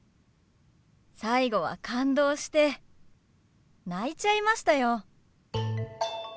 最後は感動して泣いちゃいましたよ。